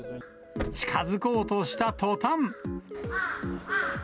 近づこうとしたとたん。